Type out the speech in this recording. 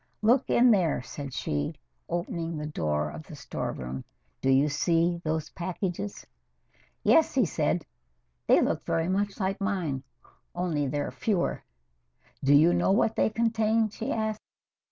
"Look in there," said she, opening the door of the storeroom. "Do you see those packages?" "Yes," he said. "They look very much like mine, only they're fewer." "Do you know what they contain?" she asked.